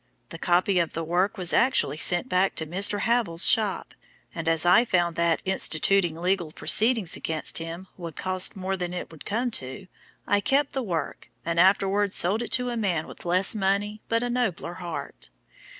The copy of the work was actually sent back to Mr. Havell's shop, and as I found that instituting legal proceedings against him would cost more than it would come to, I kept the work, and afterwards sold it to a man with less money but a nobler heart.